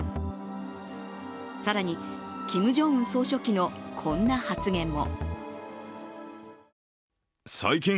更に、キム・ジョンウン総書記のこんな発言も。